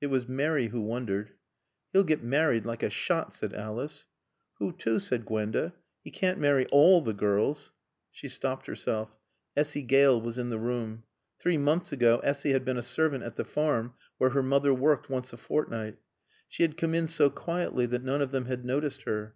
It was Mary who wondered. "He'll get married, like a shot," said Alice. "Who to?" said Gwenda. "He can't marry all the girls " She stopped herself. Essy Gale was in the room. Three months ago Essy had been a servant at the Farm where her mother worked once a fortnight. She had come in so quietly that none of them had noticed her.